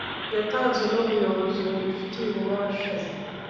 yatanzwe n ubuyobozi bubifitiye ububasha